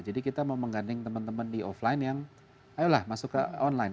jadi kita mau mengganding teman teman di offline yang ayolah masuk ke online